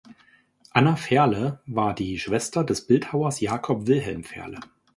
Anna Fehrle war die Schwester des Bildhauers Jakob Wilhelm Fehrle.